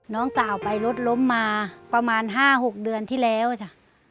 น้องสาวไปรถล้มมาประมาณ๕๖เดือนที่แล้วจ้ะ